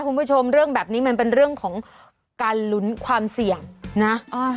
คุณผู้ชมเรื่องแบบนี้มันเป็นเรื่องของการลุ้นความเสี่ยงนะอ่า